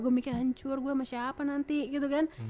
gue mikir hancur gue sama siapa nanti gitu kan